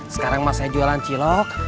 sekarang masa jualan cilok